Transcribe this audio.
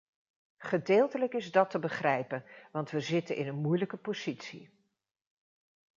Gedeeltelijk is dat te begrijpen, want we zitten in een moeilijke positie.